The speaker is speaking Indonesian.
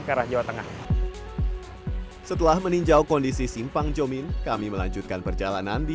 ke arah jawa tengah setelah meninjau kondisi simpang jomin kami melanjutkan perjalanan di